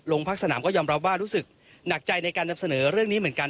ภาคสนามก็ยอมรับว่ารู้สึกหนักใจในการนำเสนอเรื่องนี้เหมือนกัน